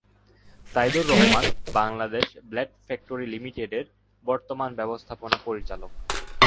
Saidur Rahman Bangladesh blade factory লিমিটেডের বর্তমান ব্যবস্থাপনা পরিচালক।